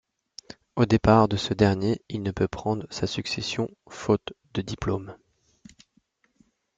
Au départ de ce dernier, il ne peut prendre sa succession, faute de diplômes.